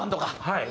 はい。